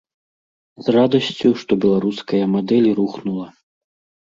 З радасцю, што беларуская мадэль рухнула.